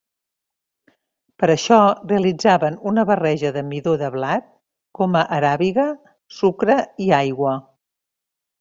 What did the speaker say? Per a això, realitzaven una barreja de midó de blat, goma aràbiga, sucre i aigua.